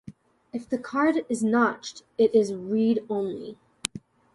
If the card is notched, it is read-only.